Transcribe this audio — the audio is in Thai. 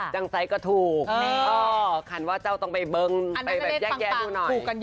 จังใสก็ถูกคันว่าเจ้าต้องไปเบิ้งไปแบบแยกแยะดูหน่อย